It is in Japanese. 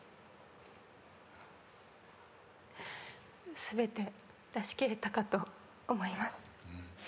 全て出しきれたかと思います。